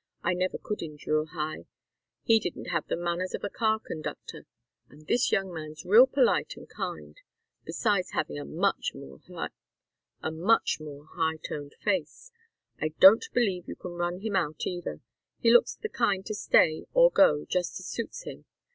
"I never could endure Hi; he didn't have the manners of a car conductor, and this young man's real polite and kind, besides having a much more high toned face. I don't believe you can run him out, either. He looks the kind to stay or go, just as suits him.